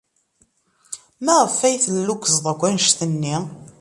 Maɣef ay tellukkzed akk anect-nni?